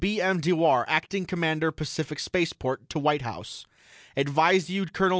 B. M. DEWAR ACTING COMMANDER PACIFIC SPACEPORT TO WHITE HOUSE: ADVISE YOU COL.